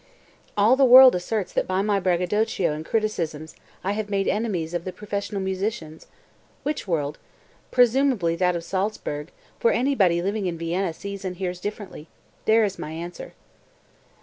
218. "All the world asserts that by my braggadocio and criticisms I have made enemies of the professional musicians! Which world? Presumably that of Salzburg, for anybody living in Vienna sees and hears differently; there is my answer."